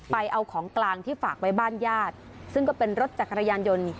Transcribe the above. ไปเอาของกลางที่ฝากไว้บ้านญาติซึ่งก็เป็นรถจักรยานยนต์